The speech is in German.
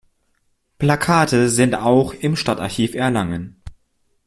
Plakate sind auch im Stadtarchiv Erlangen.